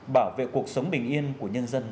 bảo vệ cuộc sống bình yên của nhân dân